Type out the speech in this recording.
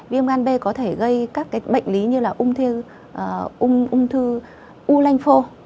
viêm gan b có thể gây các bệnh lý như là ung thư u lanh phô